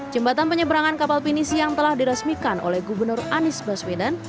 jembatan penyeberangan kapal pinisi yang telah diresmikan oleh gubernur anies baswedan